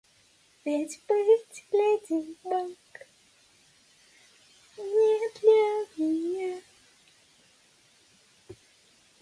Поиски мира и безопасности во многих частях мира имеют непреходящее значение для постоянного сосуществования.